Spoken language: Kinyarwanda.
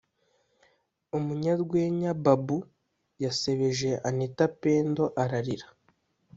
Umunyarwenya babou yasebeje anita pendo ararira